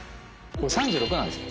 ３６なんですよ。